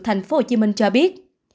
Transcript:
tp hcm cho biết